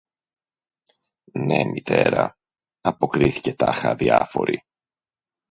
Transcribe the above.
Ναι, Μητέρα! αποκρίθηκε τάχα αδιάφορη.